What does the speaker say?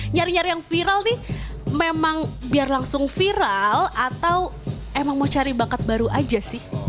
nyari nyari yang viral nih memang biar langsung viral atau emang mau cari bakat baru aja sih